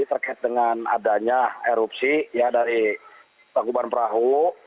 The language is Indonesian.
terkait dengan adanya erupsi ya dari tangkuban perahu